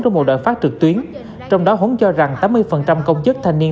trong một đoạn phát trực tuyến trong đó huấn cho rằng tám mươi công chức thành niên